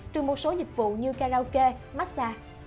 trừ một số dịch vụ như karaoke massage